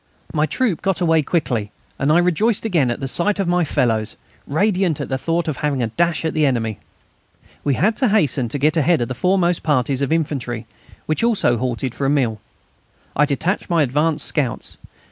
My troop got away quickly, and I rejoiced again at the sight of my fellows, radiant at the thought of having a dash at the enemy. We had to hasten and get ahead of the foremost parties of infantry, which also halted now for a meal. I detached my advance scouts.